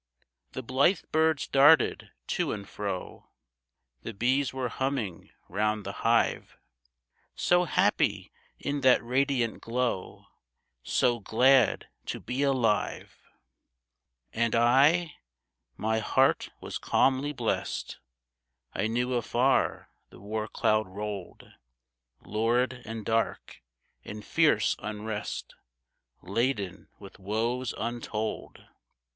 The blithe birds darted to and fro, The bees were humming round the hive, So happy in that radiant glow ! So glad to be alive ! And I ? My heart was calmly blest. I knew afar the war cloud rolled Lurid and dark, in fierce unrest, Laden with woes untold.